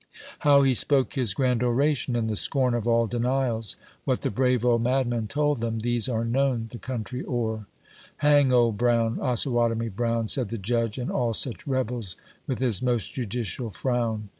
How he spoke his grand oration, in the scorn of all denials — What the brave old madman told them— these are known the country o'er, "Hang Old Brown, Osawatomie Brown," Said the Judge, " and all such rebels !" with his most judi cial frown.